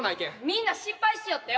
みんな心配しよったよ。